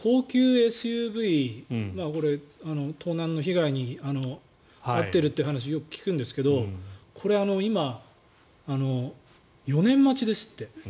高級ＳＵＶが盗難の被害に遭っているという話をよく聞くんですがこれ、今、４年待ちですって。